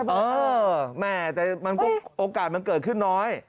โอ้โหโอกาสมันเกิดขึ้นน้อย